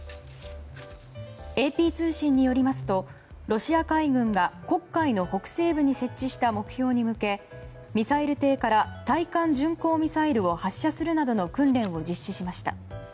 ＡＰ通信によりますとロシア海軍が黒海の北西部に設置した目標に向けミサイル艇から対艦巡航ミサイルを発射するなどの訓練を実施しました。